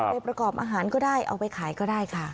ไปประกอบอาหารก็ได้เอาไปขายก็ได้ค่ะ